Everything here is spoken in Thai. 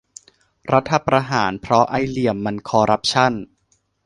รัฐประหารเพราะไอ้เหลี่ยมมันคอรัปชั่น !